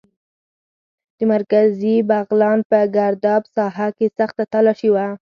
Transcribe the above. د مرکزي بغلان په ګرداب ساحه کې سخته تالاشي وه.